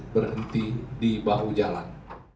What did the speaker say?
berhenti di baru jalan